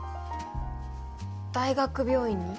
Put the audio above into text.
大学病院に？